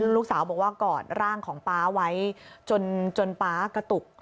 ลูกสาวบอกว่ากอดร่างของป๊าไว้จนป๊ากระตุก